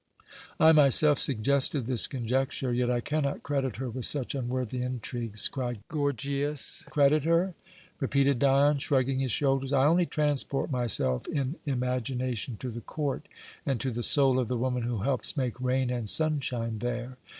"I myself suggested this conjecture, yet I cannot credit her with such unworthy intrigues," cried Gorgias. "Credit her?" repeated Dion, shrugging his shoulders. "I only transport myself in imagination to the court and to the soul of the woman who helps make rain and sunshine there.